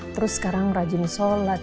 terus sekarang rajin sholat